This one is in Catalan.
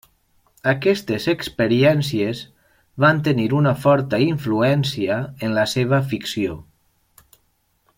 Aquestes experiències van tenir una forta influència en la seva ficció.